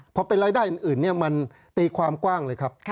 พอเป็นรายได้อื่นมันตีความกว้างเลยครับ